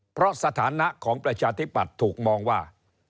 เพราะสถานะของประชาธิปัตย์ถูกมองว่า